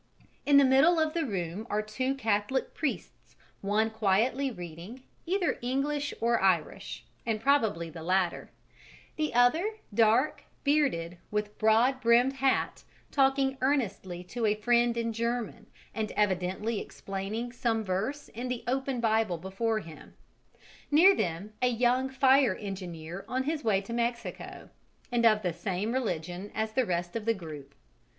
In the middle of the room are two Catholic priests, one quietly reading, either English or Irish, and probably the latter, the other, dark, bearded, with broad brimmed hat, talking earnestly to a friend in German and evidently explaining some verse in the open Bible before him; near them a young fire engineer on his way to Mexico, and of the same religion as the rest of the group.